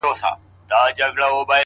خندا چي په ظاهره ده ژړا ده په وجود کي-